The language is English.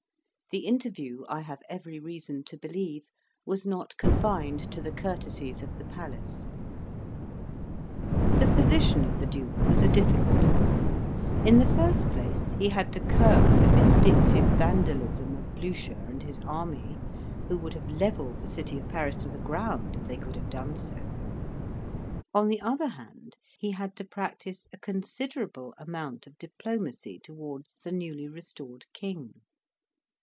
The interview, I have every reason to believe, was not confined to the courtesies of the palace. The position of the Duke was a difficult one. In the first place, he had to curb the vindictive vandalism of Blucher and his army, who would have levelled the city of Paris to the ground, if they could have done so; on the other hand, he had to practise a considerable amount of diplomacy towards the newly restored King.